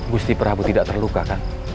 gusti prabu tidak terluka kan